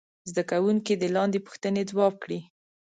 زده کوونکي دې لاندې پوښتنې ځواب کړي.